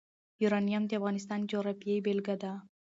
یورانیم د افغانستان د جغرافیې بېلګه ده.